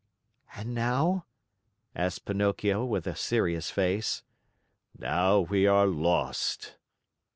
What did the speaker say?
"And now?" asked Pinocchio with a serious face. "Now we are lost."